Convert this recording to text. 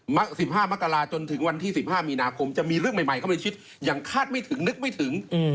๑๕มกราจนถึงวันที่๑๕มีนาคมจะมีเรื่องใหม่เข้าไปชิดอย่างคาดไม่ถึงนึกไม่ถึง